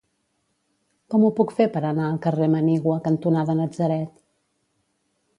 Com ho puc fer per anar al carrer Manigua cantonada Natzaret?